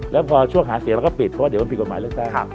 แล้วพอช่วงหาเสียงเราก็ปิดเพราะว่าเดี๋ยวมันผิดกฎหมายเลือกตั้ง